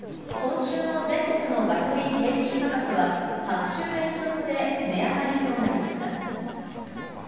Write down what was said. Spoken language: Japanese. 今週の全国のガソリン平均価格は、８週連続で値上がりとなりました。